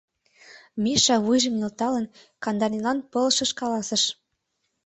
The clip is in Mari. — Миша, вуйжым нӧлталын, Кандалинлан пылышыш каласыш.